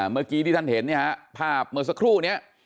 เมื่อกี้ที่ท่านเห็นเนี่ยฮะภาพเมื่อสักครู่นี้